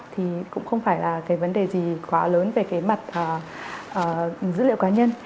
thì cũng không phải là vấn đề gì quá lớn về mặt dữ liệu cá nhân